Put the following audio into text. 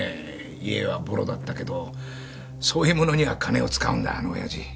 家はボロだったけどそういうものには金を使うんだあのオヤジ。